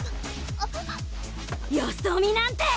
よそ見なんて！